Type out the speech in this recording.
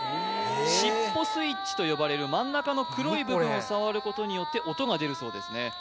シッポスイッチと呼ばれる真ん中の黒い部分を触ることによって音が出るそうですね